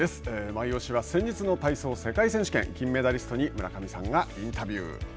マイオシは先日の体操・世界選手権金メダリストに村上さんがインタビュー。